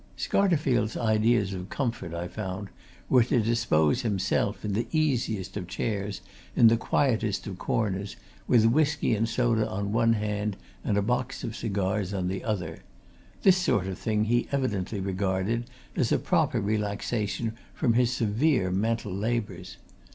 Scarterfield's ideas of comfort, I found, were to dispose himself in the easiest of chairs in the quietest of corners with whisky and soda on one hand and a box of cigars on the other this sort of thing he evidently regarded as a proper relaxation from his severe mental labours.